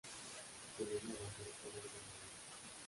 Selena ganó solo una de ellas.